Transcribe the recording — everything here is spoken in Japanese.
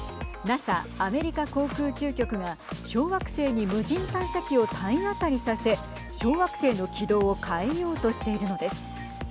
ＮＡＳＡ＝アメリカ航空宇宙局が小惑星に無人探査機を体当たりさせ小惑星の軌道を変えようとしているのです。